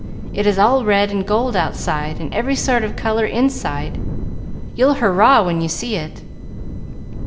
It is all red and gold outside, and every sort of color inside; you'll hurrah when you see it.